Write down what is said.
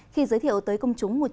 khi giới thiệu tới công chúng